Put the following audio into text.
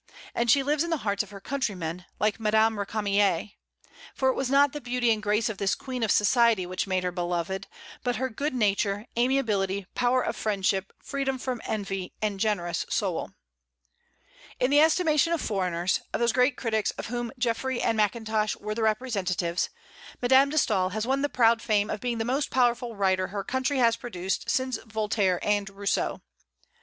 And she lives in the hearts of her countrymen, like Madame Récamier; for it was not the beauty and grace of this queen of society which made her beloved, but her good nature, amiability, power of friendship, freedom from envy, and generous soul. In the estimation of foreigners of those great critics of whom Jeffrey and Mackintosh were the representatives Madame de Staël has won the proud fame of being the most powerful writer her country has produced since Voltaire and Rousseau.